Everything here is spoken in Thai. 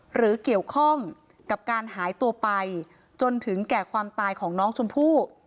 หรือเกี่ยวข้องกับการหายตัวไปจนถึงแก่ความตายของน้องชมพู่